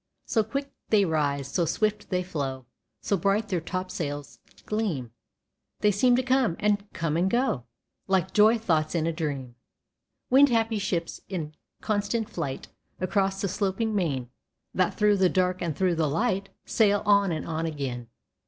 So quick they rise, so swift they flow, So bright their topsails gleam, They seem to come, and come and go Like joy thoughts in a dream. Wind happy ships, in constant flight Across the sloping main, That thro' the dark and thro' the light Sail on and on again.